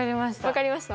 分かりました？